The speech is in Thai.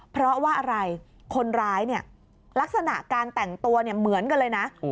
เพราะว่าอะไรคนร้ายเนี่ยลักษณะการแต่งตัวเนี่ยเหมือนกันเลยนะ